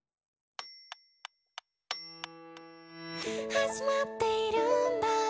「始まっているんだ